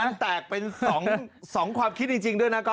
มันแตกเป็น๒ความคิดจริงด้วยนะ